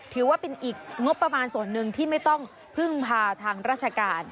ถือว่าเป็นอีกงบประมาณส่วนหนึ่งที่ไม่ต้องพึ่งพาทางราชการ